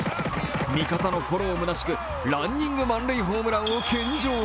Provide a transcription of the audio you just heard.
味方のフォローむなしく、ランニング満塁ホームランを献上。